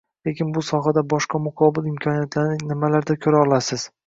Lekin bu sohada boshqa muqobil imkoniyatlarni nimalarda koʻra olasiz?